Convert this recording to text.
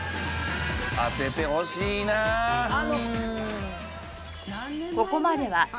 当ててほしいなあ。